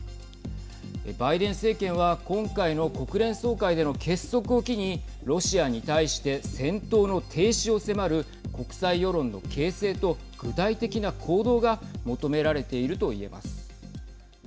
バイデン政権は今回の国連総会での結束を機にロシアに対して戦闘の停止を迫る国際世論の形成と具体的な行動が求められていると言えます。